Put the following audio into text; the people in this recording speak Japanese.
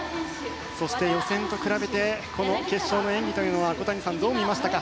そして予選と比べて決勝の演技は小谷さんどう見ましたか？